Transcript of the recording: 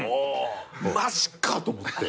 マジか！と思って。